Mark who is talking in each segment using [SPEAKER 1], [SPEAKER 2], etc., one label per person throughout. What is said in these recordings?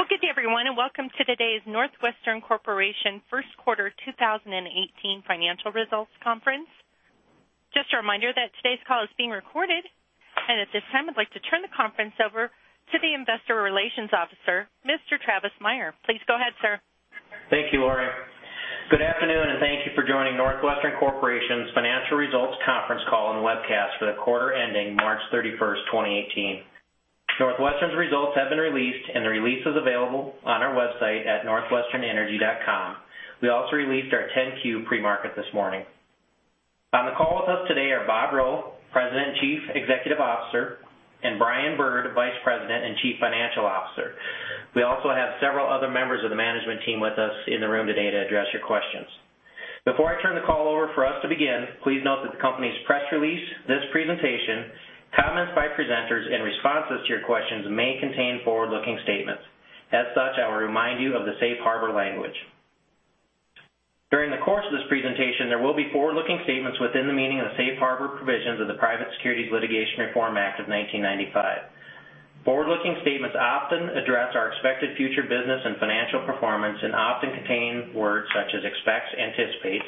[SPEAKER 1] Well, good day everyone, and welcome to today's NorthWestern Corporation first quarter 2018 financial results conference. Just a reminder that today's call is being recorded. At this time, I'd like to turn the conference over to the Investor Relations Officer, Mr. Travis Meyer. Please go ahead, sir.
[SPEAKER 2] Thank you, Lori. Good afternoon, thank you for joining NorthWestern Corporation's financial results conference call and webcast for the quarter ending March 31st, 2018. NorthWestern's results have been released, and the release is available on our website at northwesternenergy.com. We also released our 10-Q pre-market this morning. On the call with us today are Bob Rowe, President and Chief Executive Officer, and Brian Bird, Vice President and Chief Financial Officer. We also have several other members of the management team with us in the room today to address your questions. Before I turn the call over for us to begin, please note that the company's press release, this presentation, comments by presenters, and responses to your questions may contain forward-looking statements. As such, I will remind you of the safe harbor language. During the course of this presentation, there will be forward-looking statements within the meaning of the safe harbor provisions of the Private Securities Litigation Reform Act of 1995. Forward-looking statements often address our expected future business and financial performance, often contain words such as expects, anticipate,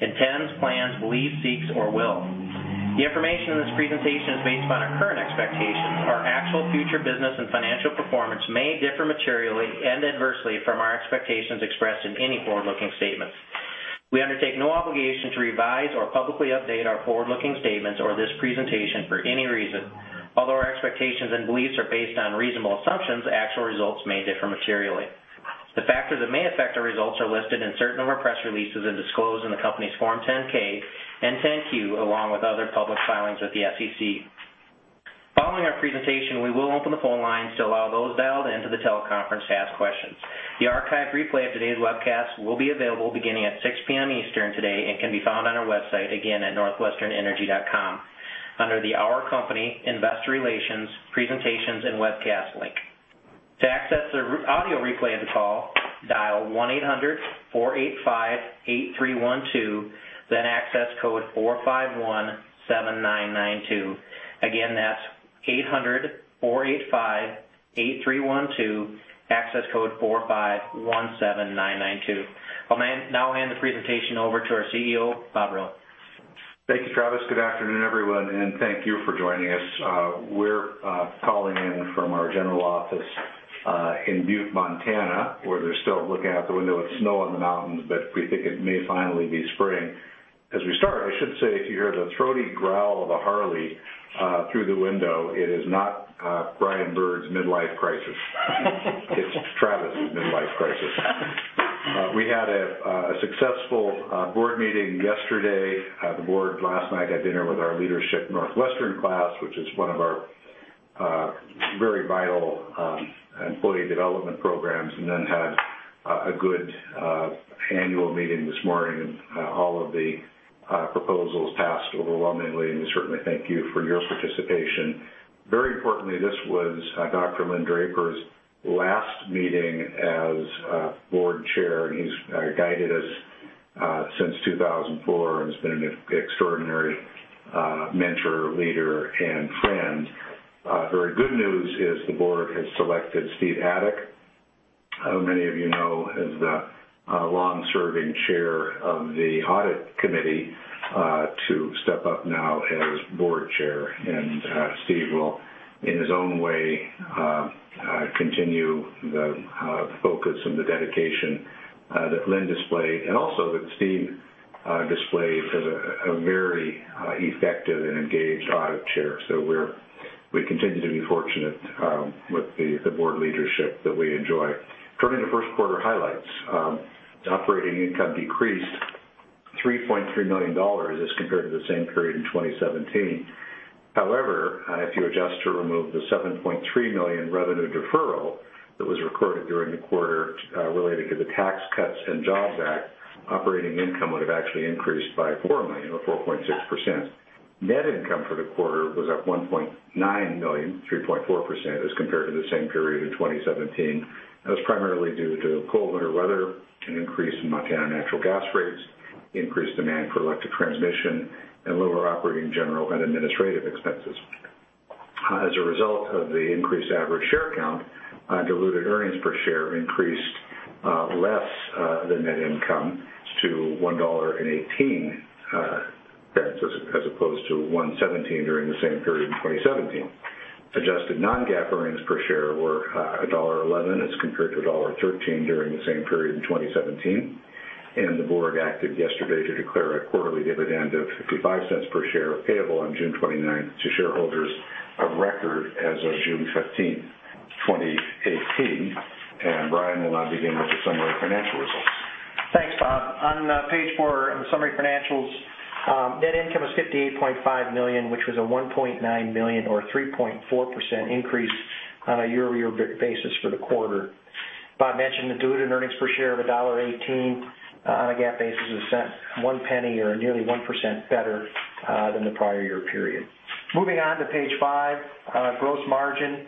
[SPEAKER 2] intends, plans, believes, seeks, or will. The information in this presentation is based on our current expectations. Our actual future business and financial performance may differ materially and adversely from our expectations expressed in any forward-looking statements. We undertake no obligation to revise or publicly update our forward-looking statements or this presentation for any reason. Although our expectations and beliefs are based on reasonable assumptions, actual results may differ materially. The factors that may affect our results are listed in certain of our press releases and disclosed in the company's Form 10-K and 10-Q, along with other public filings with the SEC. Following our presentation, we will open the phone lines to allow those dialed into the teleconference to ask questions. The archived replay of today's webcast will be available beginning at 6:00 P.M. Eastern today and can be found on our website, again, at northwesternenergy.com under the Our Company, Investor Relations, Presentations, and Webcasts link. To access the audio replay of the call, dial 1-800-485-8312, access code 4517992. Again, that's 800-485-8312, access code 4517992. I'll now hand the presentation over to our CEO, Bob Rowe.
[SPEAKER 3] Thank you, Travis. Good afternoon, everyone, thank you for joining us. We're calling in from our general office, in Butte, Montana, where they're still looking out the window at snow on the mountains, we think it may finally be spring. As we start, I should say, if you hear the throaty growl of a Harley through the window, it is not Brian Bird's midlife crisis. It's Travis' midlife crisis. We had a successful board meeting yesterday. The board last night had dinner with our Leadership NorthWestern class, which is one of our very vital employee development programs, had a good annual meeting this morning. All of the proposals passed overwhelmingly, we certainly thank you for your participation. Very importantly, this was Dr. Linn Draper's last meeting as board chair. He's guided us since 2004 has been an extraordinary mentor, leader, and friend. Very good news is the board has selected Stephen Adik, who many of you know as the long-serving chair of the audit committee, to step up now as board chair. Steve will, in his own way, continue the focus and the dedication that Linn displayed, also that Steve displayed as a very effective and engaged audit chair. We continue to be fortunate with the board leadership that we enjoy. Turning to first quarter highlights. Operating income decreased $3.3 million as compared to the same period in 2017. However, if you adjust to remove the $7.3 million revenue deferral that was recorded during the quarter relating to the Tax Cuts and Jobs Act, operating income would have actually increased by $4 million or 4.6%. Net income for the quarter was up $1.9 million, 3.4% as compared to the same period in 2017. That was primarily due to colder weather, an increase in Montana natural gas rates, increased demand for electric transmission, and lower operating general and administrative expenses. As a result of the increased average share count, diluted earnings per share increased less than net income to $1.18, as opposed to $1.17 during the same period in 2017. Adjusted non-GAAP earnings per share were $1.11 as compared to $1.13 during the same period in 2017. The board acted yesterday to declare a quarterly dividend of $0.55 per share payable on June 29th to shareholders of record as of June 15th, 2018. Brian will now begin with the summary of financial results.
[SPEAKER 4] Thanks, Bob. On page four in the summary financials, net income is $58.5 million, which was a $1.9 million or 3.4% increase on a year-over-year basis for the quarter. Bob mentioned the diluted earnings per share of $1.18 on a GAAP basis, $0.01 or nearly 1% better than the prior year period. Moving on to page five. Gross margin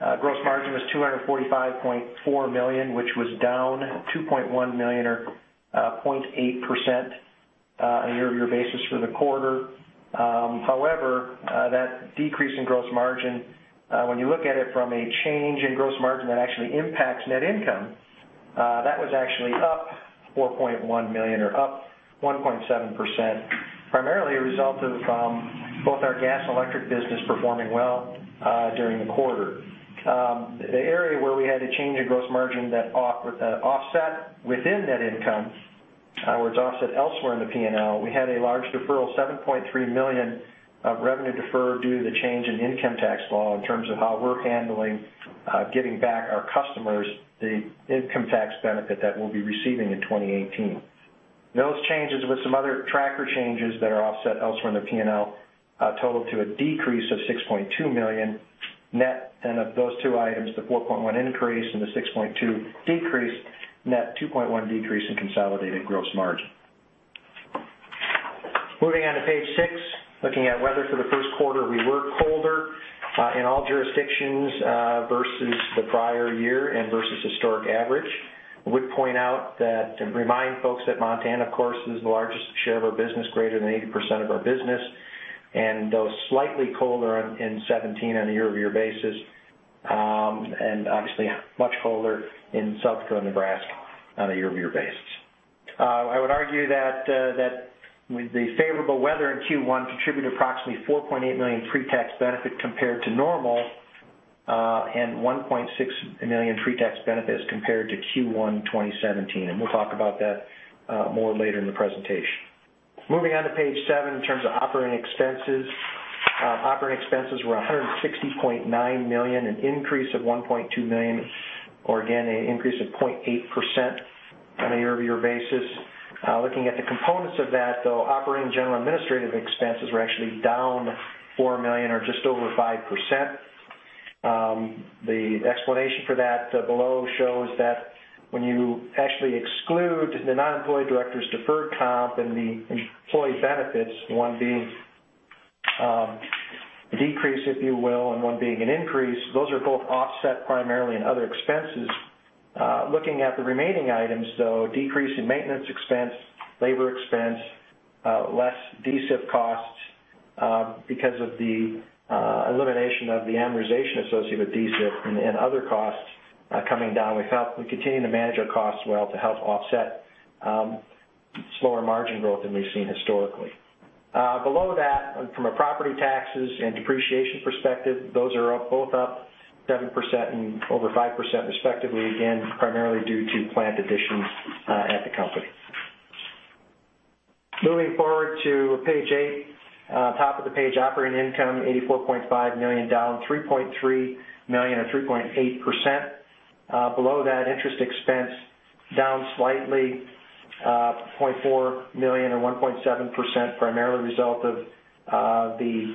[SPEAKER 4] was $245.4 million, which was down $2.1 million or 0.8%. On a year-over-year basis for the quarter. That decrease in gross margin, when you look at it from a change in gross margin that actually impacts net income, that was actually up $4.1 million or up 1.7%, primarily a result of both our gas and electric business performing well during the quarter. The area where we had a change in gross margin that offset within net income, where it's offset elsewhere in the P&L, we had a large deferral, $7.3 million of revenue deferred due to the change in income tax law in terms of how we're handling giving back our customers the income tax benefit that we'll be receiving in 2018. Those changes, with some other tracker changes that are offset elsewhere in the P&L, total to a decrease of $6.2 million net. Of those two items, the $4.1 increase and the $6.2 decrease, net $2.1 decrease in consolidated gross margin. Moving on to page six, looking at weather for the first quarter, we were colder in all jurisdictions versus the prior year and versus historic average. I would point out and remind folks that Montana, of course, is the largest share of our business, greater than 80% of our business, though slightly colder in 2017 on a year-over-year basis, and obviously much colder in South Dakota and Nebraska on a year-over-year basis. I would argue that the favorable weather in Q1 contributed approximately $4.8 million pre-tax benefit compared to normal, and $1.6 million pre-tax benefits compared to Q1 2017. We'll talk about that more later in the presentation. Moving on to page seven in terms of operating expenses. Operating expenses were $160.9 million, an increase of $1.2 million, or again, an increase of 0.8% on a year-over-year basis. Looking at the components of that, though, operating general administrative expenses were actually down $4 million or just over 5%. The explanation for that below shows that when you actually exclude the non-employee director's deferred comp and the employee benefits, one being a decrease, if you will, and one being an increase, those are both offset primarily in other expenses. Looking at the remaining items, though, decrease in maintenance expense, labor expense, less DSIP costs, because of the elimination of the amortization associated with DSIP and other costs coming down. We continue to manage our costs well to help offset slower margin growth than we've seen historically. Below that, from a property taxes and depreciation perspective, those are both up 7% and over 5% respectively, again, primarily due to plant additions at the company. Moving forward to page eight. Top of the page, operating income, $84.5 million down $3.3 million or 3.8%. Below that, interest expense down slightly, $0.4 million or 1.7%, primarily a result of the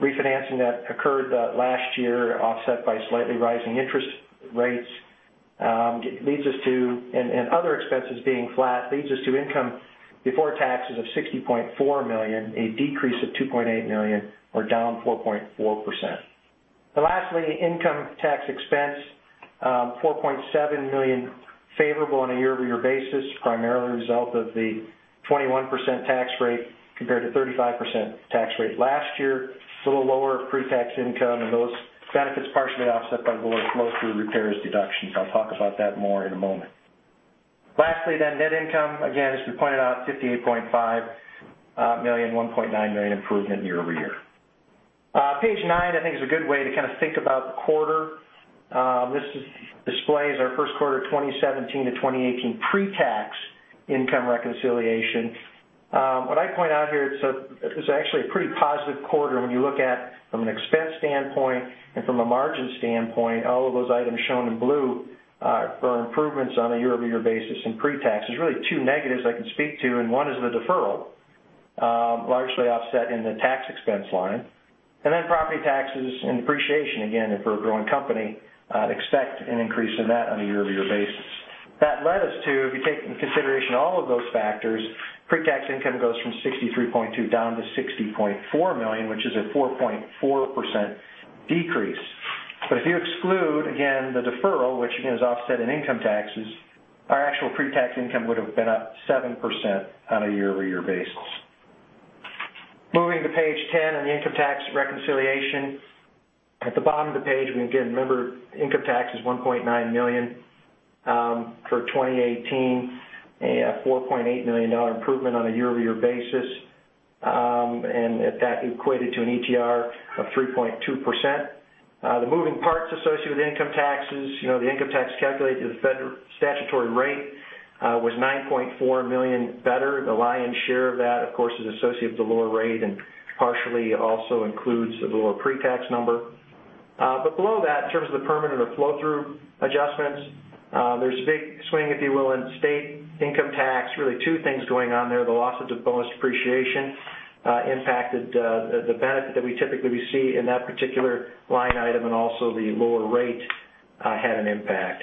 [SPEAKER 4] refinancing that occurred last year, offset by slightly rising interest rates. Other expenses being flat, leads us to income before taxes of $60.4 million, a decrease of $2.8 million or down 4.4%. Lastly, income tax expense, $4.7 million favorable on a year-over-year basis, primarily a result of the 21% tax rate compared to 35% tax rate last year. It's a little lower pre-tax income, and those benefits partially offset by lower flow-through repairs deductions. I'll talk about that more in a moment. Lastly, net income, again, as we pointed out, $58.5 million, $1.9 million improvement year-over-year. Page nine, I think, is a good way to think about the quarter. This display is our first quarter 2017-2018 pre-tax income reconciliation. What I point out here, it was actually a pretty positive quarter when you look at it from an expense standpoint and from a margin standpoint. All of those items shown in blue are for improvements on a year-over-year basis in pre-tax. There's really two negatives I can speak to. One is the deferral, largely offset in the tax expense line, and then property taxes and depreciation. Again, if we're a growing company, expect an increase in that on a year-over-year basis. That led us to, if you take into consideration all of those factors, pre-tax income goes from $63.2 million down to $60.4 million, which is a 4.4% decrease. If you exclude, again, the deferral, which again is offset in income taxes, our actual pre-tax income would have been up 7% on a year-over-year basis. Moving to page 10 on the income tax reconciliation. At the bottom of the page, again, remember, income tax is $1.9 million for 2018, a $4.8 million improvement on a year-over-year basis, and that equated to an ETR of 3.2%. The moving parts associated with income taxes. The income tax calculated to the federal statutory rate was $9.4 million better. The lion's share of that, of course, is associated with the lower rate and partially also includes the lower pre-tax number. Below that, in terms of the permanent or flow-through adjustments, there's a big swing, if you will, in state income tax. Really two things going on there. The loss of bonus depreciation impacted the benefit that we typically receive in that particular line item, and also the lower rate had an impact.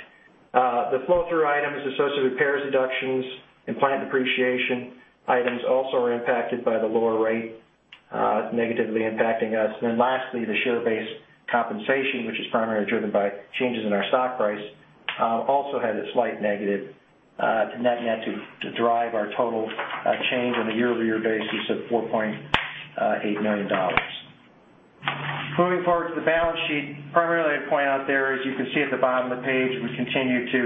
[SPEAKER 4] The flow-through items associated with repairs deductions and plant depreciation items also are impacted by the lower rate. Negatively impacting us. Lastly, the share-based compensation, which is primarily driven by changes in our stock price, also had a slight negative to net to drive our total change on a year-over-year basis of $4.8 million. Moving forward to the balance sheet. Primarily, I'd point out there, as you can see at the bottom of the page, we continue to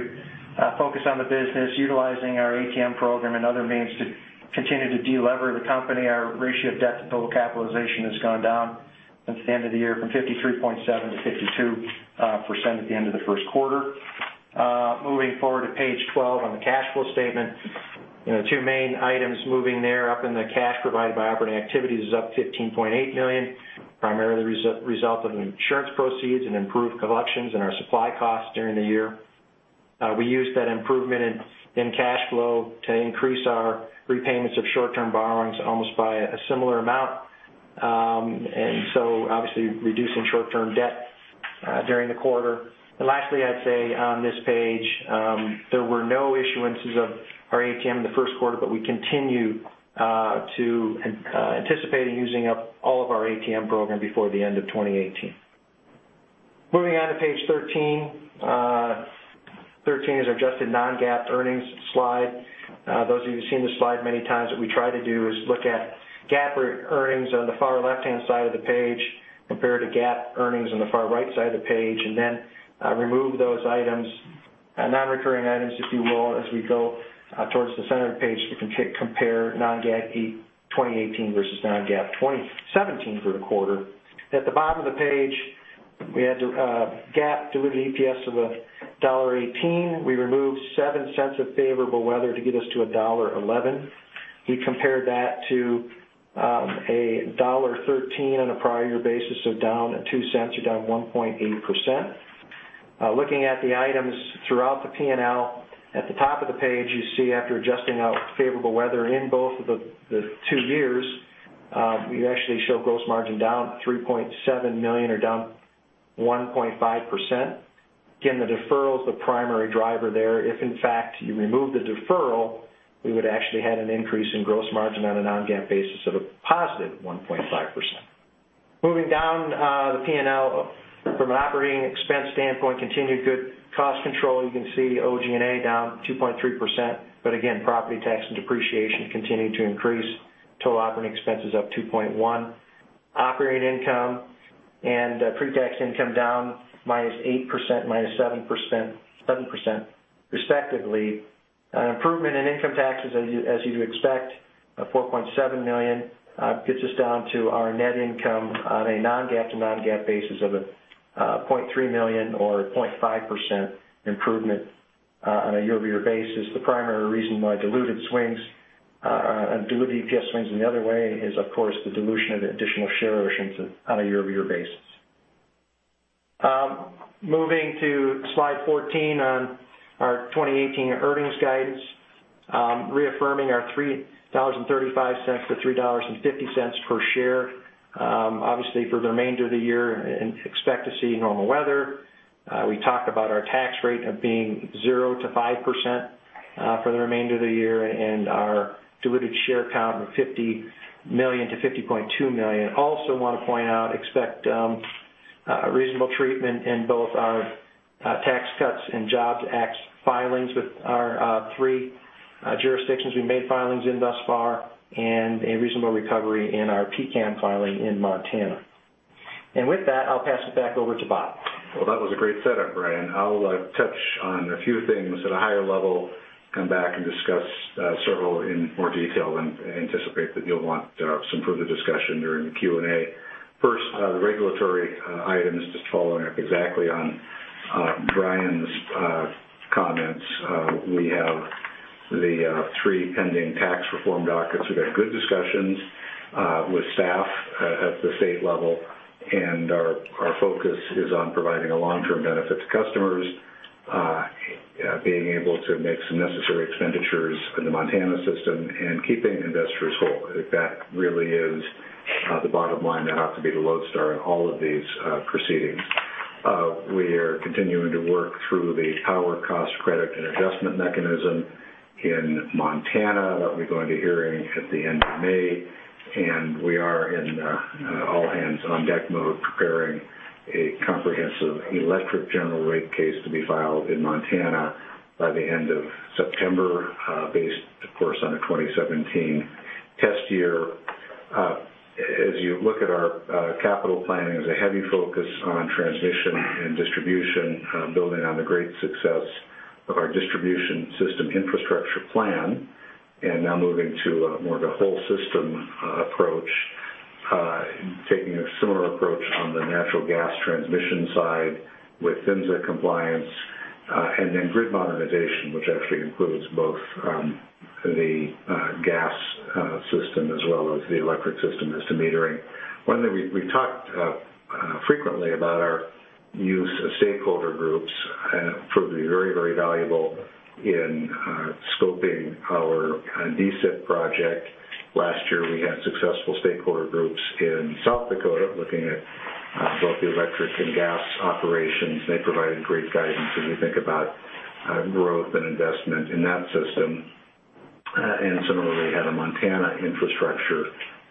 [SPEAKER 4] focus on the business, utilizing our ATM program and other means to continue to de-lever the company. Our ratio of debt to total capitalization has gone down since the end of the year from 53.7%-52% at the end of the first quarter. Moving forward to page 12 on the cash flow statement. Two main items moving there up in the cash provided by operating activities is up to $15.8 million, primarily the result of insurance proceeds and improved collections in our supply costs during the year. We used that improvement in cash flow to increase our repayments of short-term borrowings almost by a similar amount. Obviously reducing short-term debt during the quarter. Lastly, I'd say on this page, there were no issuances of our ATM in the first quarter, but we continue to anticipating using up all of our ATM program before the end of 2018. Moving on to page 13. 13 is adjusted non-GAAP earnings slide. Those of you who've seen this slide many times, what we try to do is look at GAAP earnings on the far left-hand side of the page compared to GAAP earnings on the far right side of the page, remove those non-recurring items, if you will, as we go towards the center of the page to compare non-GAAP 2018 versus non-GAAP 2017 for the quarter. At the bottom of the page, we had a GAAP diluted EPS of $1.18. We removed $0.07 of favorable weather to get us to $1.11. We compared that to $1.13 on a prior year basis, down $0.02 or down 1.8%. Looking at the items throughout the P&L, at the top of the page, you see after adjusting out favorable weather in both of the two years, we actually show gross margin down $3.7 million or down 1.5%. Again, the deferral is the primary driver there. If in fact, you remove the deferral, we would actually had an increase in gross margin on a non-GAAP basis of a positive 1.5%. Moving down the P&L from an operating expense standpoint, continued good cost control. You can see G&A down 2.3%, property tax and depreciation continued to increase. Total operating expenses up 2.1%. Operating income and pre-tax income down -8%, -7%, respectively. An improvement in income taxes, as you'd expect, of $4.7 million gets us down to our net income on a non-GAAP to non-GAAP basis of a $0.3 million or 0.5% improvement on a year-over-year basis. The primary reason why diluted swings and diluted EPS swings in the other way is, of course, the dilution of the additional share issuance on a year-over-year basis. Moving to slide 14 on our 2018 earnings guidance. Reaffirming our $3.35-$3.50 per share. Obviously, for the remainder of the year, expect to see normal weather. We talk about our tax rate of being 0%-5% for the remainder of the year, and our diluted share count of 50 million-50.2 million. Also want to point out, expect a reasonable treatment in both our Tax Cuts and Jobs Act filings with our three jurisdictions we made filings in thus far and a reasonable recovery in our PCCAM filing in Montana. With that, I'll pass it back over to Bob.
[SPEAKER 3] Well, that was a great setup, Brian. I'll touch on a few things at a higher level, come back and discuss several in more detail and anticipate that you'll want some further discussion during the Q&A. First, the regulatory items, just following up exactly on Brian's comments. We have the three pending tax reform dockets. We've had good discussions with staff at the state level, our focus is on providing a long-term benefit to customers, being able to make some necessary expenditures in the Montana system, and keeping investors whole. That really is the bottom line. That has to be the lodestar in all of these proceedings. We are continuing to work through the Power Cost and Credits Adjustment Mechanism in Montana that we go into hearing at the end of May. We are in all-hands-on-deck mode, preparing a comprehensive electric general rate case to be filed in Montana by the end of September, based of course, on a 2017 test year. As you look at our capital planning, there's a heavy focus on transmission and distribution, building on the great success of our Distribution System Infrastructure Program. Now moving to more of a whole system approach, taking a similar approach on the natural gas transmission side with PHMSA compliance. Then grid modernization, which actually includes both the gas system as well as the electric system as to metering. One thing we talked frequently about our use of stakeholder groups, it proved to be very, very valuable in scoping our DSIP project. Last year, we had successful stakeholder groups in South Dakota looking at both the electric and gas operations. They provided great guidance as we think about Growth and investment in that system. Similarly, had a Montana infrastructure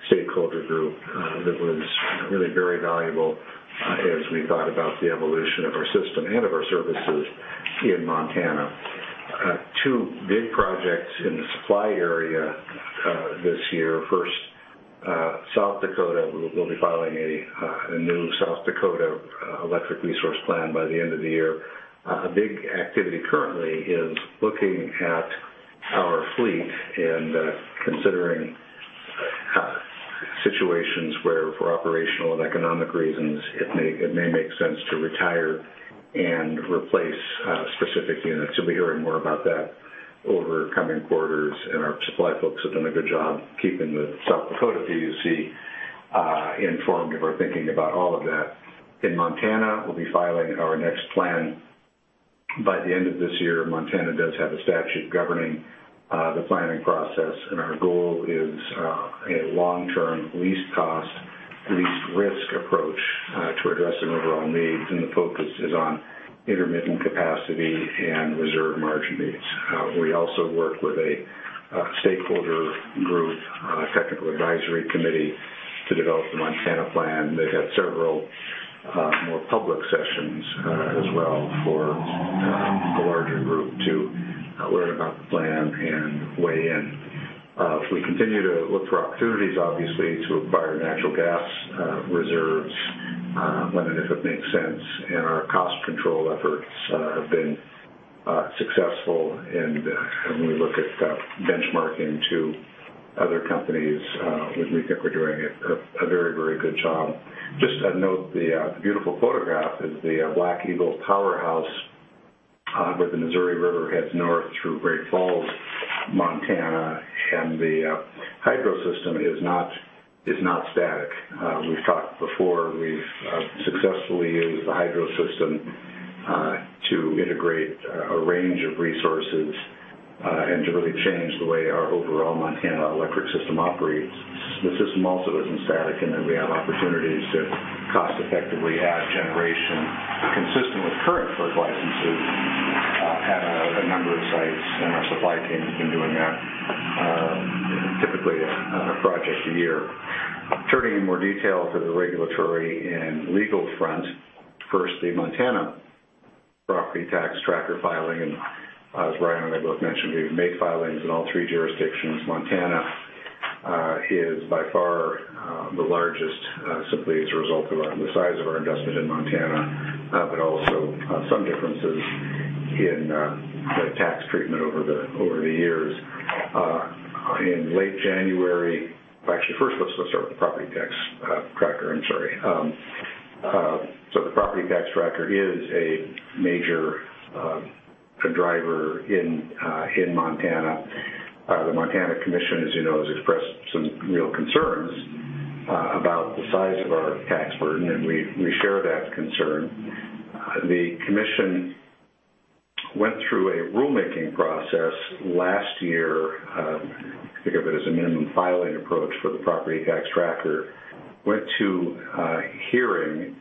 [SPEAKER 3] stakeholder group that was really very valuable as we thought about the evolution of our system and of our services in Montana. Two big projects in the supply area this year. First, South Dakota will be filing a new South Dakota electric resource plan by the end of the year. A big activity currently is looking at our fleet and considering situations where for operational and economic reasons, it may make sense to retire and replace specific units. You'll be hearing more about that over coming quarters, and our supply folks have done a good job keeping the South Dakota PUC informed of our thinking about all of that. In Montana, we'll be filing our next plan by the end of this year. Montana does have a statute governing the planning process. Our goal is a long-term, least cost, least risk approach to addressing overall needs. The focus is on intermittent capacity and reserve margin needs. We also work with a stakeholder group, a technical advisory committee, to develop the Montana plan. They've had several more public sessions as well for the larger group to learn about the plan and weigh in. We continue to look for opportunities, obviously, to acquire natural gas reserves, when and if it makes sense, and our cost control efforts have been successful. When we look at benchmarking to other companies, we think we're doing a very good job. Just a note, the beautiful photograph is the Black Eagle Powerhouse, where the Missouri River heads north through Great Falls, Montana. The hydro system is not static. We've talked before, we've successfully used the hydro system to integrate a range of resources. To really change the way our overall Montana electric system operates. The system also isn't static in that we have opportunities to cost-effectively add generation consistent with current FERC licenses at a number of sites. Our supply team has been doing that, typically a project a year. Turning in more detail to the regulatory and legal front. Firstly, Montana property tax tracker filing. As Brian and I both mentioned, we've made filings in all three jurisdictions. Montana is by far the largest, simply as a result of the size of our investment in Montana. Also some differences in the tax treatment over the years. In late January. First let's start with the property tax tracker. I'm sorry. The property tax tracker is a major driver in Montana. The Montana Commission, as you know, has expressed some real concerns about the size of our tax burden, and we share that concern. The commission went through a rulemaking process last year, think of it as a minimum filing approach for the property tax tracker. Went to a hearing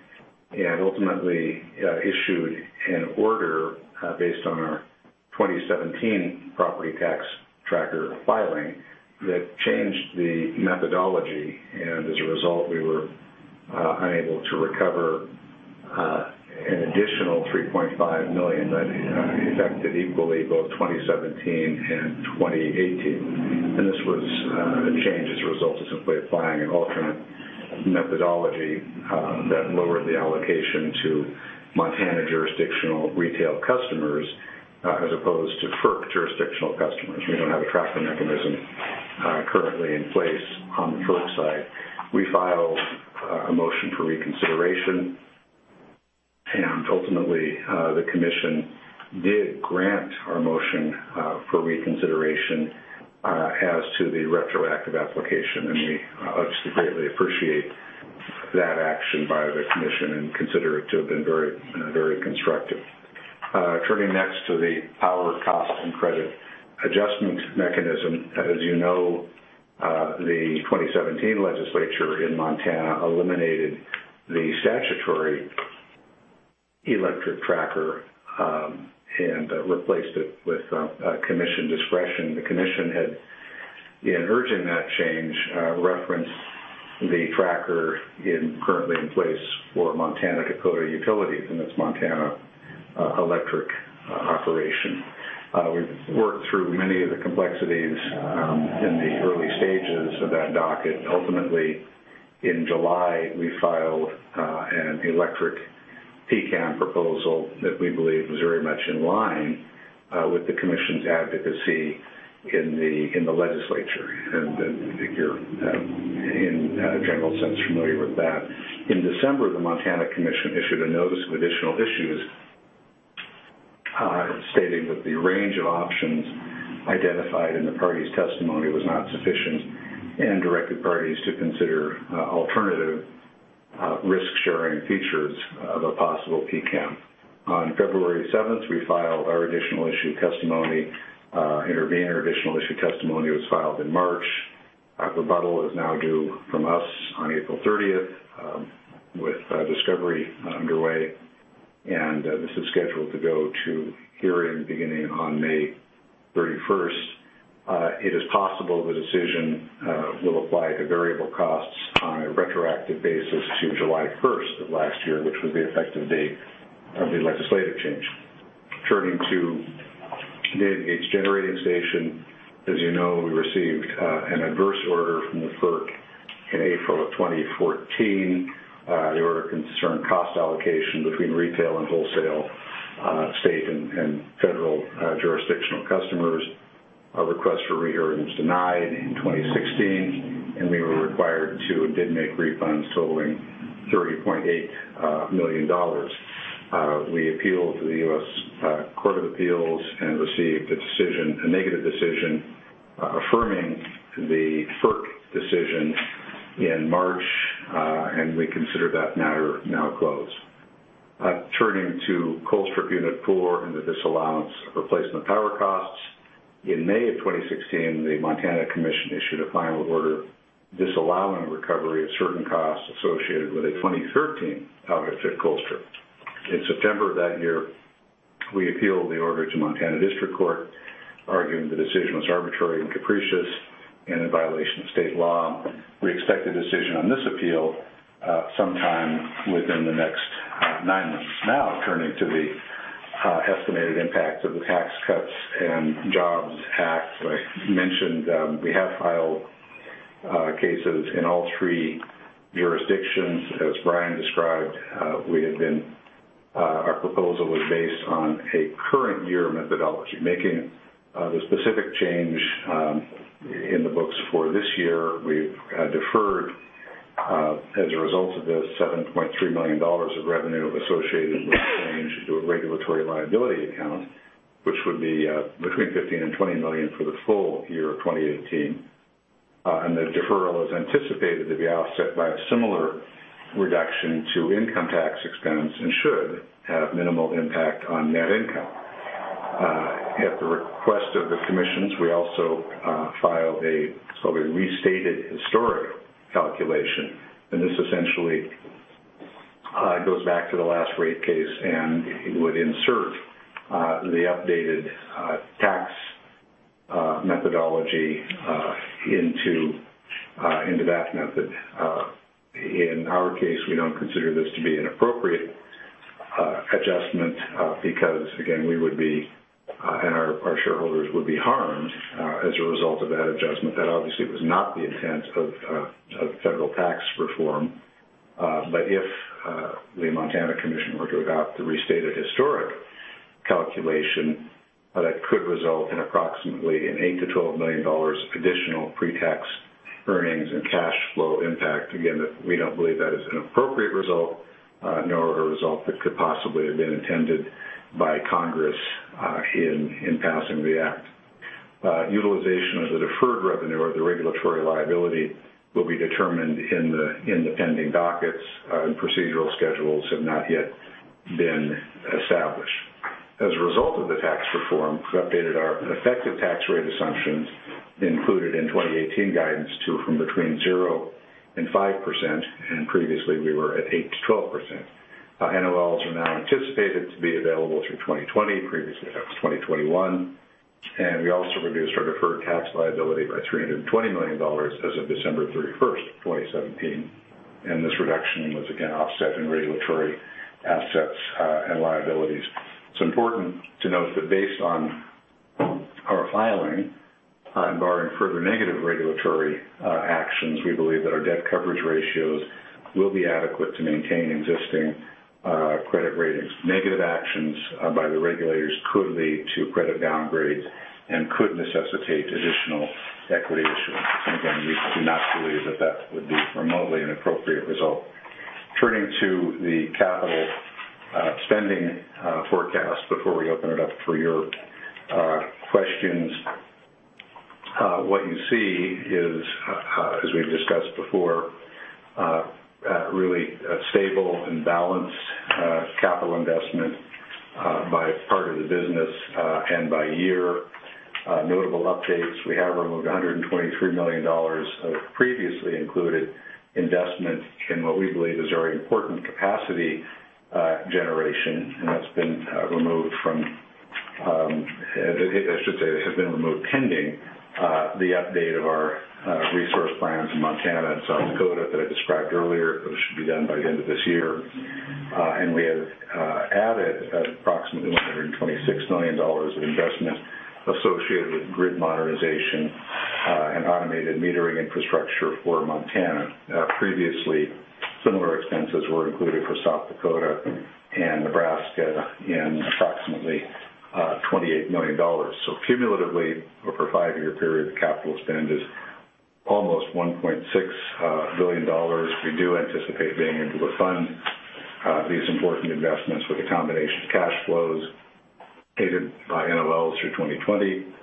[SPEAKER 3] and ultimately issued an order based on our 2017 property tax tracker filing that changed the methodology. As a result, we were unable to recover an additional $3.5 million that affected equally both 2017 and 2018. This was a change as a result of simply applying an alternate methodology that lowered the allocation to Montana jurisdictional retail customers as opposed to FERC jurisdictional customers. We don't have a tracker mechanism currently in place on the FERC side. We filed a motion for reconsideration, ultimately, the commission did grant our motion for reconsideration as to the retroactive application, we obviously greatly appreciate that action by the commission and consider it to have been very constructive. Turning next to the Power Cost and Credits Adjustment Mechanism. As you know, the 2017 legislature in Montana eliminated the statutory electric tracker and replaced it with commission discretion. The commission had, in urging that change, referenced the tracker currently in place for Montana-Dakota Utilities in its Montana electric operation. We've worked through many of the complexities in the early stages of that docket. Ultimately, in July, we filed an electric PCAM proposal that we believe was very much in line with the commission's advocacy in the legislature. I think you're, in a general sense, familiar with that. In December, the Montana Commission issued a notice of additional issues stating that the range of options identified in the parties' testimony was not sufficient and directed parties to consider alternative risk-sharing features of a possible PCAM. On February 7th, we filed our additional issue testimony. Intervenor additional issue testimony was filed in March. Our rebuttal is now due from us on April 30th, with discovery underway, and this is scheduled to go to hearing beginning on May 31st. It is possible the decision will apply the variable costs on a retroactive basis to July 1st of last year, which was the effective date of the legislative change. Turning to Dave Gates Generating Station, as you know, we received an adverse order from the FERC in April of 2014. The order concerned cost allocation between retail and wholesale, state and federal jurisdictional customers. Our request for rehearing was denied in 2016, we were required to, and did, make refunds totaling $30.8 million. We appealed to the U.S. Court of Appeals and received a negative decision affirming the FERC decision in March, we consider that matter now closed. Turning to Colstrip Unit 4 and the disallowance of replacement power costs. In May of 2016, the Montana Commission issued a final order disallowing recovery of certain costs associated with a 2013 outage at Colstrip. In September of that year, we appealed the order to Montana District Court, arguing the decision was arbitrary and capricious and in violation of state law. We expect a decision on this appeal sometime within the next nine months. Turning to the estimated impact of the Tax Cuts and Jobs Act. I mentioned we have filed cases in all three jurisdictions. As Brian described, our proposal was based on a current year methodology, making the specific change in the books for this year. We've deferred, as a result of this, $7.3 million of revenue associated with the change to a regulatory liability account, which would be between $15 million-$20 million for the full year of 2018. The deferral is anticipated to be offset by a similar reduction to income tax expense and should have minimal impact on net income. At the request of the commissions, we also filed a so-called restated historic calculation. This essentially goes back to the last rate case and would insert the updated tax methodology into that method. In our case, we don't consider this to be an appropriate adjustment because, again, we would be, and our shareholders would be, harmed as a result of that adjustment. That obviously was not the intent of federal tax reform. If the Montana Commission were to adopt the restated historic calculation, that could result in approximately an $8 million-$12 million additional pre-tax earnings and cash flow impact. Again, we don't believe that is an appropriate result, nor a result that could possibly have been intended by Congress in passing the act. Utilization of the deferred revenue or the regulatory liability will be determined in the pending dockets. Procedural schedules have not yet been established. As a result of the tax reform, we've updated our effective tax rate assumptions included in 2018 guidance to from between 0%-5%, and previously we were at 8%-12%. NOLs are now anticipated to be available through 2020. Previously, that was 2021. We also reduced our deferred tax liability by $320 million as of December 31st, 2017. This reduction was again offset in regulatory assets and liabilities. It's important to note that based on our filing, barring further negative regulatory actions, we believe that our debt coverage ratios will be adequate to maintain existing credit ratings. Negative actions by the regulators could lead to credit downgrades and could necessitate additional equity issuance. Again, we do not believe that that would be remotely an appropriate result. Turning to the capital spending forecast before we open it up for your questions. What you see is, as we've discussed before, really a stable and balanced capital investment by part of the business and by year. Notable updates, we have removed $123 million of previously included investment in what we believe is very important capacity generation. That's been removed from, I should say, has been removed pending the update of our resource plans in Montana and South Dakota that I described earlier, which should be done by the end of this year. We have added approximately $126 million of investment associated with grid modernization and automated metering infrastructure for Montana. Previously, similar expenses were included for South Dakota and Nebraska in approximately $28 million. Cumulatively, over a five-year period, the capital spend is almost $1.6 billion. We do anticipate being able to fund these important investments with a combination of cash flows aided by NOLs through 2020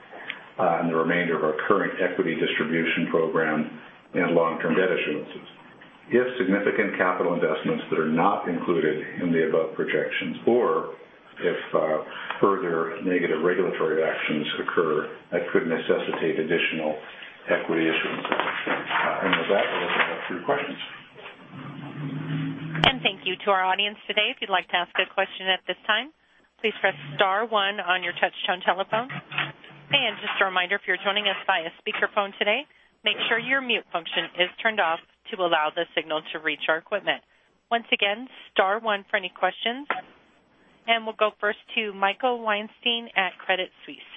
[SPEAKER 3] and the remainder of our current equity distribution program and long-term debt issuances. If significant capital investments that are not included in the above projections, or if further negative regulatory actions occur, that could necessitate additional equity issuances. With that, we'll open it up for your questions.
[SPEAKER 1] Thank you to our audience today. If you'd like to ask a question at this time, please press star one on your touch-tone telephone. Just a reminder, if you're joining us via speakerphone today, make sure your mute function is turned off to allow the signal to reach our equipment. Once again, star one for any questions. We'll go first to Michael Weinstein at Credit Suisse.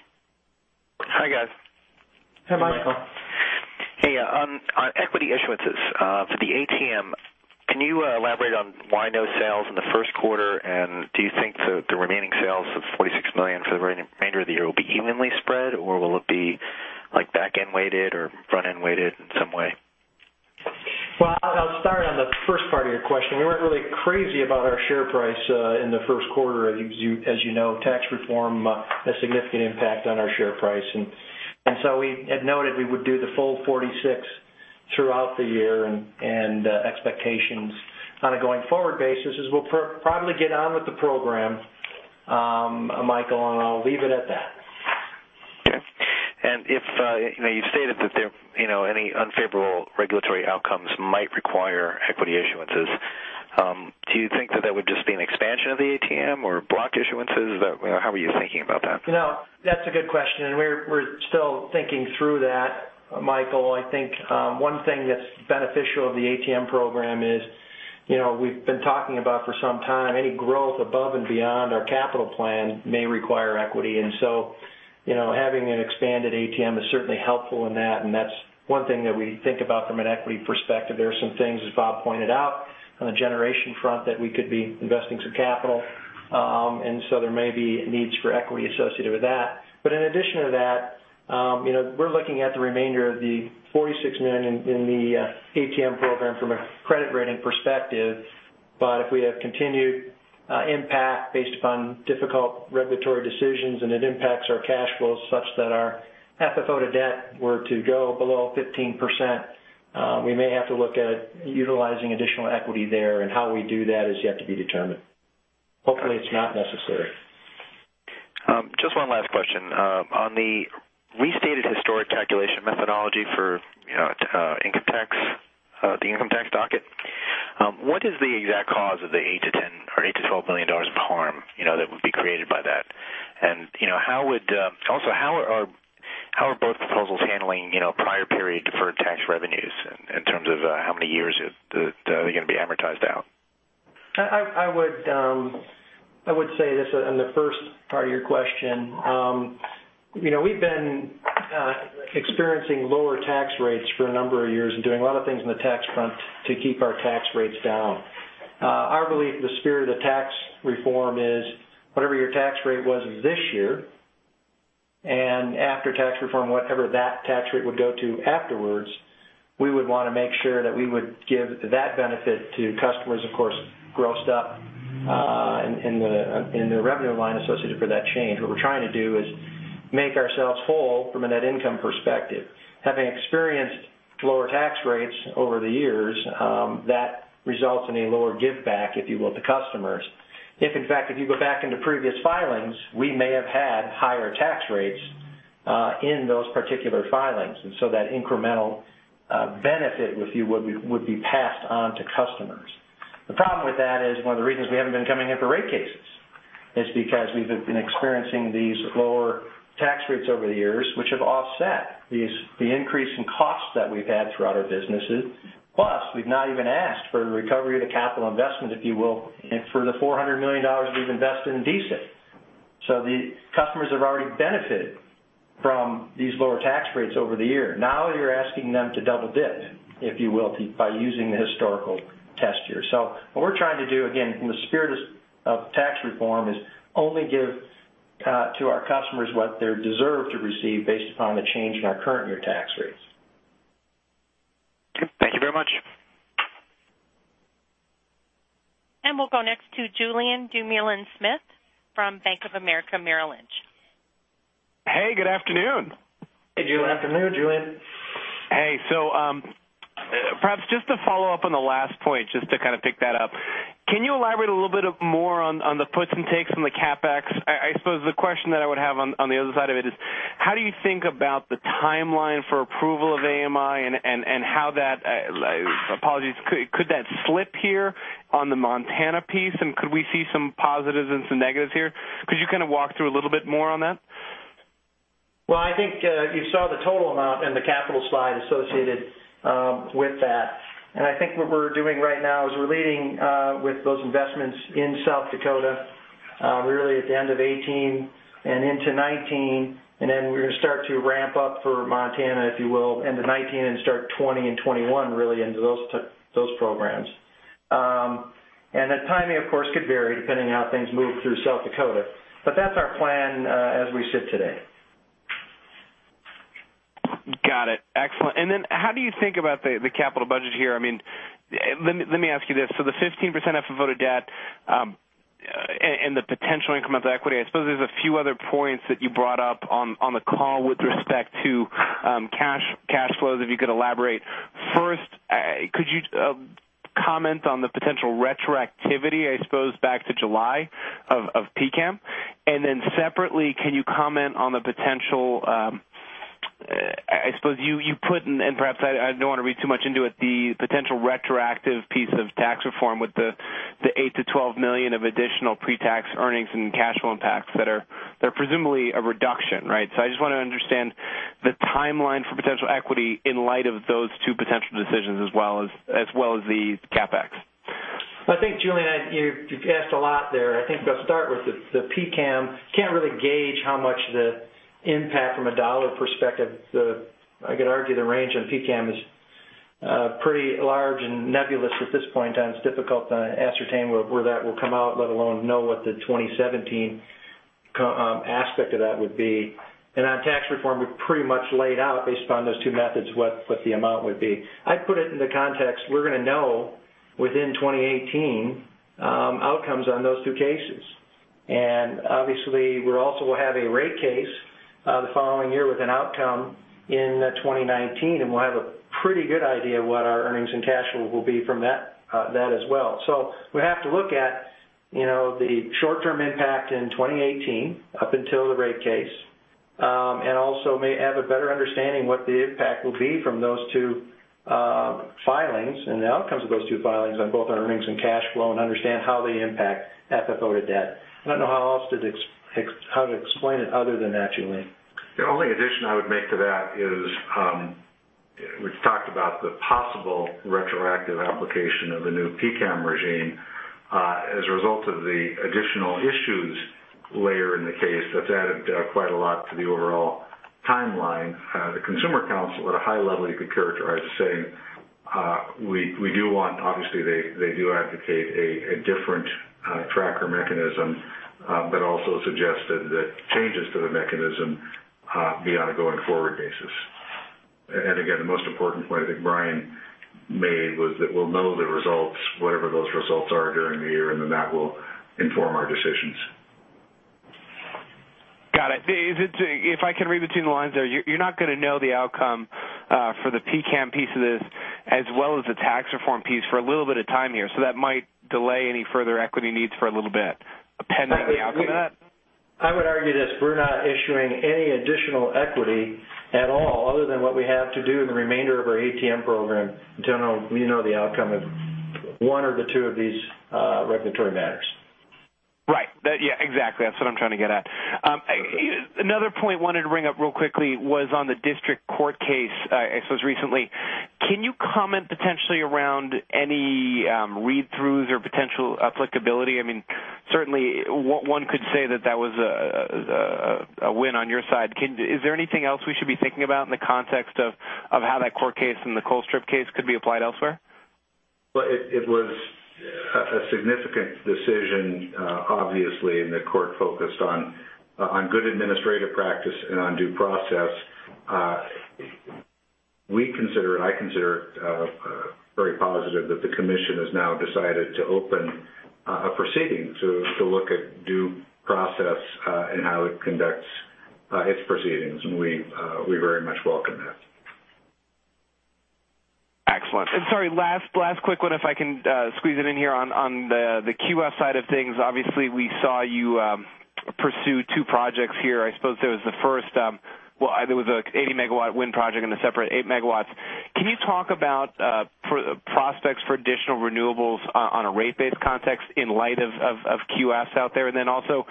[SPEAKER 5] Hi, guys.
[SPEAKER 4] Hi, Michael.
[SPEAKER 5] Hey. On equity issuances for the ATM, can you elaborate on why no sales in the first quarter? Do you think the remaining sales of $46 million for the remainder of the year will be evenly spread, or will it be back-end weighted or front-end weighted in some way?
[SPEAKER 4] Well, I'll start on the first part of your question. We weren't really crazy about our share price in the first quarter. As you know, tax reform had a significant impact on our share price. We had noted we would do the full $46 throughout the year. Expectations on a going forward basis is we'll probably get on with the program, Michael, and I'll leave it at that.
[SPEAKER 5] Okay. You've stated that any unfavorable regulatory outcomes might require equity issuances. Do you think that that would just be an expansion of the ATM or block issuances? How are you thinking about that?
[SPEAKER 4] No, that's a good question, and we're still thinking through that, Michael. I think one thing that's beneficial of the ATM program is we've been talking about, for some time, any growth above and beyond our capital plan may require equity. Having an expanded ATM is certainly helpful in that, and that's one thing that we think about from an equity perspective. There are some things, as Bob pointed out, on the generation front that we could be investing some capital. There may be needs for equity associated with that. In addition to that, we're looking at the remainder of the $46 million in the ATM program from a credit rating perspective. If we have continued impact based upon difficult regulatory decisions and it impacts our cash flows such that our FFO to debt were to go below 15%, we may have to look at utilizing additional equity there. How we do that is yet to be determined. Hopefully it's not necessary.
[SPEAKER 5] Just one last question. On the restated historic calculation methodology for the income tax docket, what is the exact cause of the $8 million-$12 million harm that would be created by that? Also, how are both proposals handling prior period deferred tax revenues in terms of how many years are they going to be amortized out?
[SPEAKER 4] I would say this on the first part of your question. We've been experiencing lower tax rates for a number of years and doing a lot of things on the tax front to keep our tax rates down. Our belief, the spirit of tax reform is whatever your tax rate was this year, and after tax reform, whatever that tax rate would go to afterwards, we would want to make sure that we would give that benefit to customers, of course, grossed up in the revenue line associated for that change. What we're trying to do is make ourselves whole from a net income perspective. Having experienced lower tax rates over the years, that results in a lower give back, if you will, to customers. If in fact, if you go back into previous filings, we may have had higher tax rates in those particular filings. That incremental benefit, if you would be passed on to customers. The problem with that is one of the reasons we haven't been coming in for rate cases is because we've been experiencing these lower tax rates over the years, which have offset the increase in costs that we've had throughout our businesses. Plus, we've not even asked for the recovery of the capital investment, if you will, and for the $400 million we've invested in DCF. The customers have already benefited from these lower tax rates over the year. Now you're asking them to double dip, if you will, by using the historical test year. What we're trying to do, again, from the spirit of tax reform, is only give to our customers what they're deserved to receive based upon the change in our current year tax rates.
[SPEAKER 5] Okay. Thank you very much.
[SPEAKER 1] We'll go next to Julien Dumoulin-Smith from Bank of America Merrill Lynch.
[SPEAKER 6] Hey, good afternoon.
[SPEAKER 4] Hey, Julien. Afternoon, Julien.
[SPEAKER 6] Hey. Perhaps just to follow up on the last point, just to kind of pick that up, can you elaborate a little bit more on the puts and takes on the CapEx? I suppose the question that I would have on the other side of it is, how do you think about the timeline for approval of AMI and how that, apologies, could that slip here on the Montana piece, and could we see some positives and some negatives here? Could you kind of walk through a little bit more on that?
[SPEAKER 4] Well, I think you saw the total amount in the capital slide associated with that. I think what we're doing right now is we're leading with those investments in South Dakota, really at the end of 2018 and into 2019, then we're going to start to ramp up for Montana, if you will, end of 2019 and start 2020 and 2021, really into those programs. The timing, of course, could vary depending on how things move through South Dakota. That's our plan as we sit today.
[SPEAKER 6] Got it. Excellent. How do you think about the capital budget here? Let me ask you this. The 15% FFO to debt and the potential incremental equity. I suppose there's a few other points that you brought up on the call with respect to cash flows, if you could elaborate. First, could you comment on the potential retroactivity, I suppose, back to July of PCAM? Separately, can you comment on the potential, I suppose you put, and perhaps I don't want to read too much into it, the potential retroactive piece of tax reform with the $8 million to $12 million of additional pre-tax earnings and cash flow impacts that are presumably a reduction, right? I just want to understand the timeline for potential equity in light of those two potential decisions as well as the CapEx.
[SPEAKER 4] I think, Julien, you've asked a lot there. I think I'll start with the PCAM. Can't really gauge how much the impact from a dollar perspective, I could argue the range on PCAM is pretty large and nebulous at this point, it's difficult to ascertain where that will come out, let alone know what the 2017 aspect of that would be. On tax reform, we've pretty much laid out, based upon those two methods, what the amount would be. I'd put it into context. We're going to know within 2018 outcomes on those two cases. Obviously, we also will have a rate case the following year with an outcome in 2019, and we'll have a pretty good idea what our earnings and cash flow will be from that as well. We have to look at the short-term impact in 2018 up until the rate case. may have a better understanding what the impact will be from those two filings and the outcomes of those two filings on both our earnings and cash flow and understand how they impact FFO to debt. I don't know how else to explain it other than that, Julien.
[SPEAKER 3] The only addition I would make to that is, we've talked about the possible retroactive application of the new PCAM regime. As a result of the additional issues layer in the case, that's added quite a lot to the overall timeline. The Consumer Council, at a high level, you could characterize as saying, obviously they do advocate a different tracker mechanism, but also suggested that changes to the mechanism be on a going forward basis. Again, the most important point I think Brian made was that we'll know the results, whatever those results are, during the year, and then that will inform our decisions.
[SPEAKER 6] Got it. If I can read between the lines there, you're not going to know the outcome for the PCAM piece of this as well as the tax reform piece for a little bit of time here. That might delay any further equity needs for a little bit, pending on the outcome.
[SPEAKER 4] I would argue this, we're not issuing any additional equity at all other than what we have to do in the remainder of our ATM program until we know the outcome of one or the two of these regulatory matters.
[SPEAKER 6] Right. Yeah, exactly. That's what I'm trying to get at. Another point I wanted to bring up real quickly was on the District Court case, I suppose recently. Can you comment potentially around any read-throughs or potential applicability? I mean, certainly one could say that that was a win on your side. Is there anything else we should be thinking about in the context of how that court case and the Colstrip case could be applied elsewhere?
[SPEAKER 3] Well, it was a significant decision, obviously, and the court focused on good administrative practice and on due process. We consider, and I consider it very positive that the Commission has now decided to open a proceeding to look at due process and how it conducts its proceedings, and we very much welcome that.
[SPEAKER 6] Excellent. Sorry, last quick one if I can squeeze it in here. On the QF side of things, obviously, we saw you pursue two projects here. I suppose there was the first, there was an 80-megawatt wind project and a separate eight megawatts. Can you talk about prospects for additional renewables on a rate base context in light of QFs out there? Then also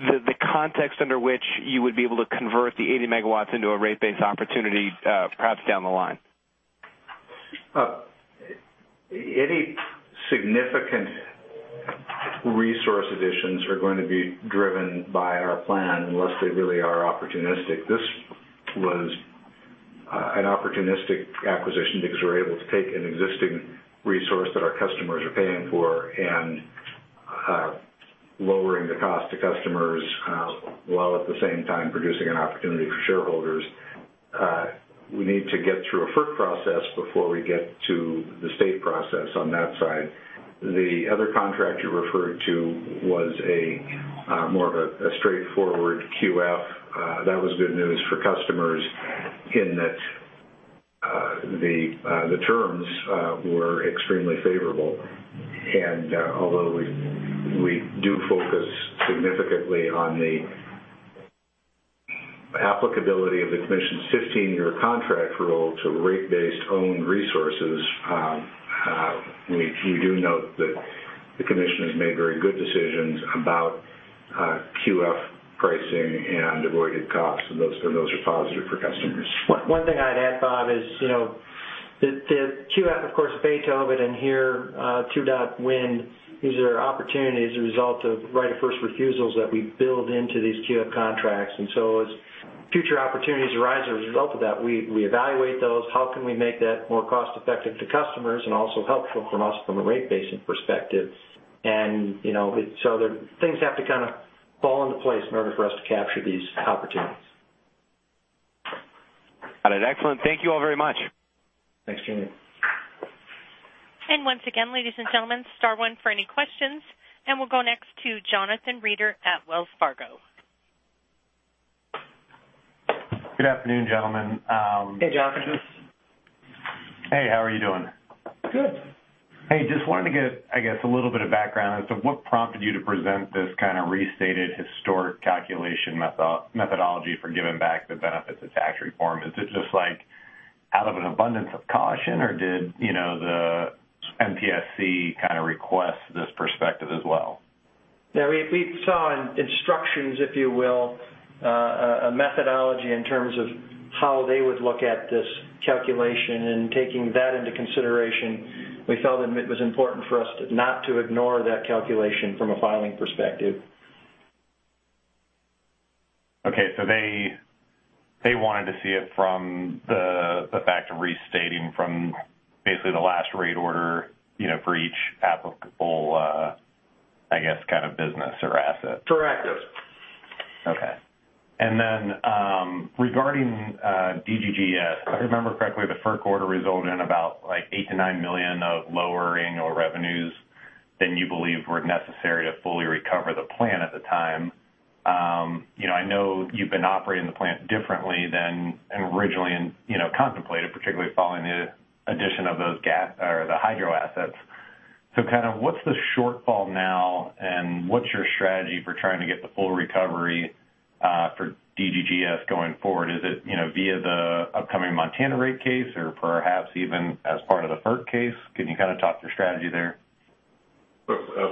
[SPEAKER 6] the context under which you would be able to convert the 80 megawatts into a rate base opportunity perhaps down the line.
[SPEAKER 3] Any significant resource additions are going to be driven by our plan unless they really are opportunistic. This was an opportunistic acquisition because we were able to take an existing resource that our customers are paying for and lowering the cost to customers while at the same time producing an opportunity for shareholders. We need to get through a FERC process before we get to the state process on that side. The other contract you referred to was more of a straightforward QF. That was good news for customers in that the terms were extremely favorable. Although we do focus significantly on the applicability of the Commission's 15-year contract rule to rate-based owned resources, we do note that the Commission has made very good decisions about QF pricing and avoided costs, and those are positive for customers.
[SPEAKER 4] One thing I'd add, Bob, is that the QF, of course, Beethoven in here, Two Dot Wind. These are opportunities as a result of right of first refusals that we build into these QF contracts. As future opportunities arise as a result of that, we evaluate those. How can we make that more cost-effective to customers and also helpful for us from a rate basing perspective? Things have to kind of fall into place in order for us to capture these opportunities.
[SPEAKER 6] Got it. Excellent. Thank you all very much.
[SPEAKER 4] Thanks, Julien.
[SPEAKER 1] Once again, ladies and gentlemen, star one for any questions. We'll go next to Jonathan Reeder at Wells Fargo.
[SPEAKER 7] Good afternoon, gentlemen.
[SPEAKER 4] Hey, Jonathan.
[SPEAKER 7] Hey, how are you doing?
[SPEAKER 4] Good.
[SPEAKER 7] Hey, just wanted to get, I guess, a little bit of background as to what prompted you to present this kind of restated historic calculation methodology for giving back the benefits of tax reform. Is it just out of an abundance of caution or did the MPSC kind of request this perspective as well?
[SPEAKER 4] We saw in instructions, if you will, a methodology in terms of how they would look at this calculation. Taking that into consideration, we felt that it was important for us not to ignore that calculation from a filing perspective.
[SPEAKER 7] Okay. They wanted to see it from the fact of restating from basically the last rate order for each applicable, I guess, kind of business or asset.
[SPEAKER 4] Correct. Yes.
[SPEAKER 7] Okay. Regarding DGGS, if I remember correctly, the first quarter resulted in about like $8 million-$9 million of lowering or revenues than you believe were necessary to fully recover the plant at the time. I know you've been operating the plant differently than originally contemplated, particularly following the addition of the hydro assets. What's the shortfall now and what's your strategy for trying to get the full recovery for DGGS going forward? Is it via the upcoming Montana rate case or perhaps even as part of the FERC case? Can you kind of talk through your strategy there?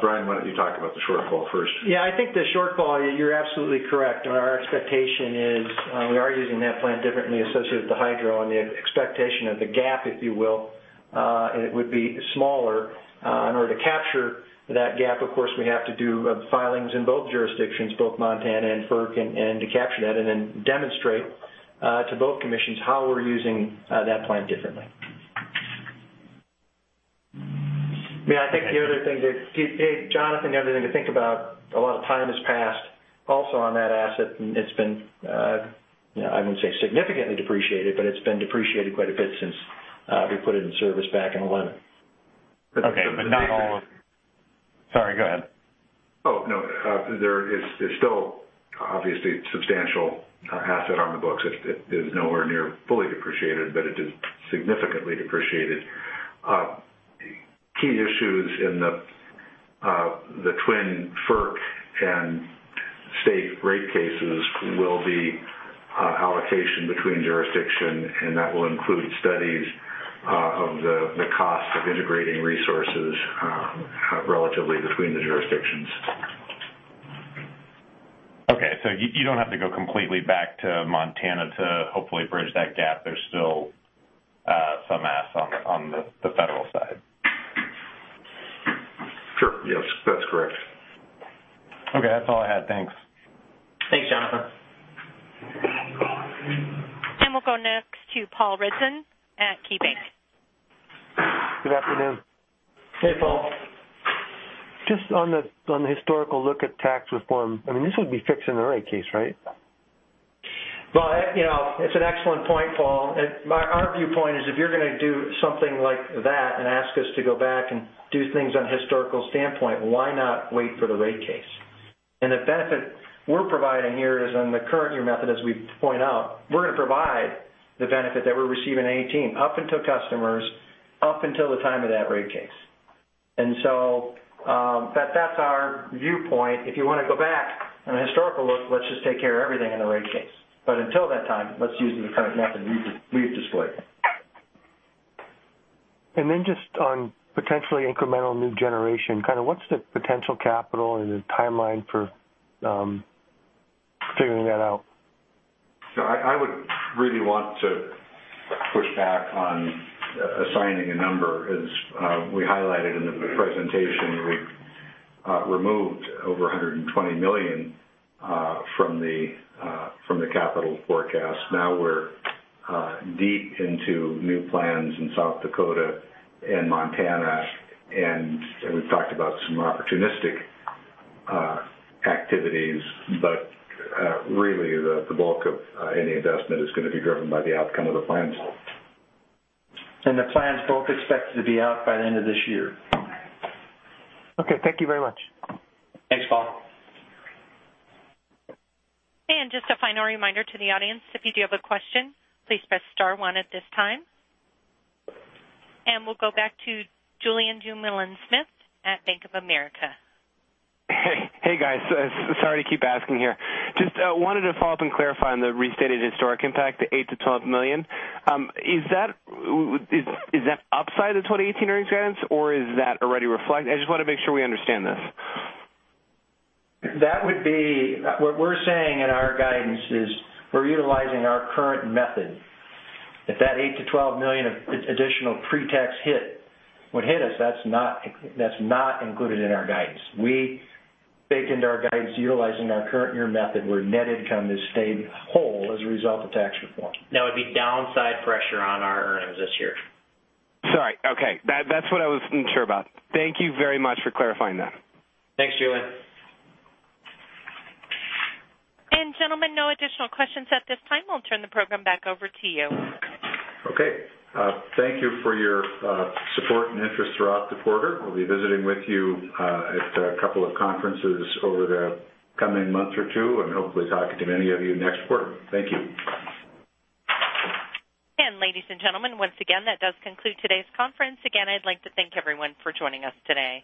[SPEAKER 3] Brian, why don't you talk about the shortfall first?
[SPEAKER 4] Yeah, I think the shortfall, you're absolutely correct. Our expectation is we are using that plan differently associated with the hydro and the expectation of the gap, if you will, it would be smaller. In order to capture that gap, of course, we have to do filings in both jurisdictions, both Montana and FERC, to capture that and then demonstrate to both commissions how we're using that plan differently.
[SPEAKER 7] Okay.
[SPEAKER 3] Yeah, I think the other thing that, Jonathan, the other thing to think about, a lot of time has passed also on that asset. It's been, I wouldn't say significantly depreciated, but it's been depreciated quite a bit since we put it in service back in 2011.
[SPEAKER 7] Okay, sorry, go ahead.
[SPEAKER 3] Oh, no. There is still obviously a substantial asset on the books. It is nowhere near fully depreciated, but it is significantly depreciated. Key issues in the twin FERC and state rate cases will be allocation between jurisdiction, and that will include studies of the cost of integrating resources relatively between the jurisdictions.
[SPEAKER 7] Okay. You don't have to go completely back to Montana to hopefully bridge that gap. There's still some assets on the federal side.
[SPEAKER 3] Sure, yes. That's correct.
[SPEAKER 7] Okay, that's all I had. Thanks.
[SPEAKER 4] Thanks, Jonathan.
[SPEAKER 1] We'll go next to Paul Ritson at KeyBank.
[SPEAKER 8] Good afternoon.
[SPEAKER 4] Hey, Paul.
[SPEAKER 8] Just on the historical look at tax reform, I mean, this would be fixed in the rate case, right?
[SPEAKER 4] Well, it's an excellent point, Paul. Our viewpoint is if you're going to do something like that and ask us to go back and do things on a historical standpoint, why not wait for the rate case? The benefit we're providing here is on the current year method, as we point out, we're going to provide the benefit that we receive in 2018 up until customers, up until the time of that rate case. That's our viewpoint. If you want to go back on a historical look, let's just take care of everything in the rate case. Until that time, let's use the current method we've displayed.
[SPEAKER 8] Just on potentially incremental new generation, what's the potential capital and the timeline for figuring that out?
[SPEAKER 3] I would really want to push back on assigning a number. As we highlighted in the presentation, we've removed over $120 million from the capital forecast. We're deep into new plans in South Dakota and Montana, and we've talked about some opportunistic activities. Really the bulk of any investment is going to be driven by the outcome of the plans.
[SPEAKER 4] The plans both expected to be out by the end of this year.
[SPEAKER 8] Okay. Thank you very much.
[SPEAKER 4] Thanks, Paul.
[SPEAKER 1] Just a final reminder to the audience, if you do have a question, please press star one at this time. We'll go back to Julien Dumoulin-Smith at Bank of America.
[SPEAKER 6] Hey, guys. Sorry to keep asking here. Just wanted to follow up and clarify on the restated historic impact, the $8 million-$12 million. Is that upside the 2018 earnings guidance or is that already reflected? I just want to make sure we understand this.
[SPEAKER 4] What we're saying in our guidance is we're utilizing our current method. If that $8 million-$12 million of additional pre-tax hit would hit us, that's not included in our guidance. We baked into our guidance utilizing our current year method where net income has stayed whole as a result of tax reform. That would be downside pressure on our earnings this year.
[SPEAKER 6] Sorry. Okay. That's what I was unsure about. Thank you very much for clarifying that.
[SPEAKER 4] Thanks, Julien.
[SPEAKER 1] Gentlemen, no additional questions at this time. We'll turn the program back over to you.
[SPEAKER 3] Okay. Thank you for your support and interest throughout the quarter. We'll be visiting with you at a couple of conferences over the coming month or two and hopefully talking to many of you next quarter. Thank you.
[SPEAKER 1] Ladies and gentlemen, once again, that does conclude today's conference. Again, I'd like to thank everyone for joining us today.